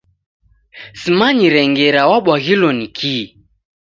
Simanyire ngera wabwaghilo ni kii.